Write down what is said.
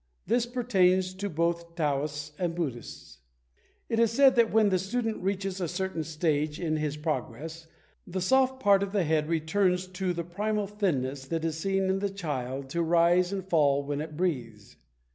This pertains to both Taoists and Buddhists. It is said that when the student reaches a certain stage in his progress, the soft part of the head returns to the primal thinness that is seen in the child to rise and fall when it breathes.